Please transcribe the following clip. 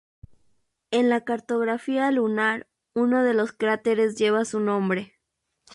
En la cartografía lunar, uno de los cráteres lleva su nombre.